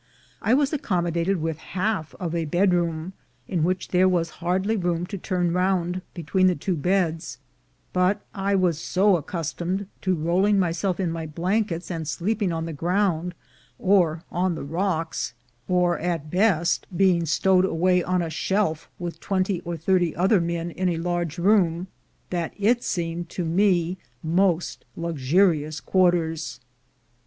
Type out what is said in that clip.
I was accom modated with half of a bedroom, in which there was hardly room to turn round between the two beds; but I was so accustomed to rolling myself in my blankets and sleeping on the ground, or on the rocks, or at best 212 THE GOLD HUNTERS being stowed away on a shelf with twenty or thirty other men in a large room, that it seemed to me most luxurious quarters.